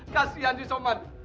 kasian si somad